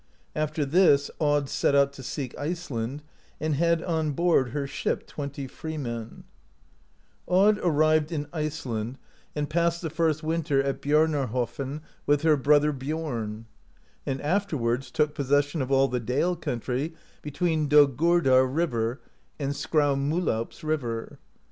After this Aud set out to seek Iceland, and had on board her ship twenty freemen (13). Aud arrived in Iceland, and 28. ERIC THE RED FINDS GREENLAND passed the first winter at Biaraarhofn with her brother, Biom. Aud afterwards took possession of all the Dale country (14) between Dogurdar river and Skraumuh laups river.